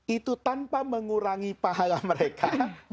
itu tanpa mengurangi pahala mereka